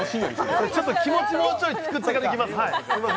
気持ち、もうちょい作ってきますね。